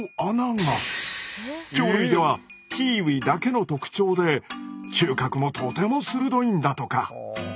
鳥類ではキーウィだけの特徴で嗅覚もとても鋭いんだとか。